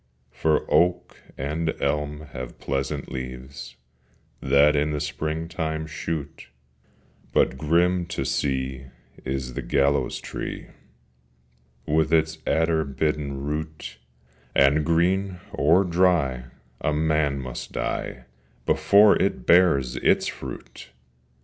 For oak and elm have pleasant leaves That in the springtime shoot: But grim to see is the gallows tree, With its adder bitten root, And, green or dry, a man must die Before it bears its fruit!